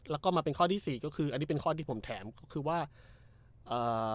แล้วก็มาเป็นข้อที่สี่ก็คืออันนี้เป็นข้อที่ผมถามก็คือว่าเอ่อ